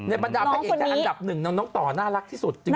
ในปัญหาภัยเอกจากอันดับหนึ่งนางต่อน่ารักที่สุดจริง